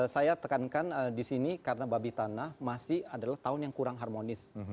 saya tekankan di sini karena babi tanah masih adalah tahun yang kurang harmonis